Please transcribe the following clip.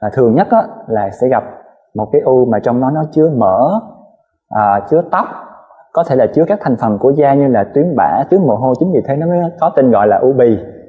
thường nhất là sẽ gặp một cái u mà trong đó nó chứa mỡ chứa tóc có thể là chứa các thành phần của da như là tuyến bả tuyến mồ hôi chứa gì thế nó mới có tên gọi là u bì